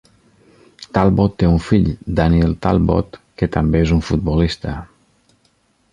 Talbot té un fill, Daniel Talbot, que també és un futbolista.